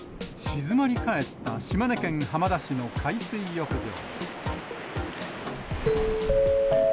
静まり返った島根県浜田市の海水浴場。